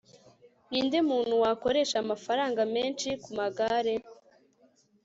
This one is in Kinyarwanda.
ninde muntu wakoresha amafaranga menshi kumagare